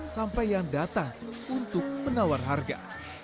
sampai yang datang untuk menawar harga